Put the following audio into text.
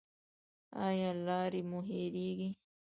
ایا لارې مو هیریږي؟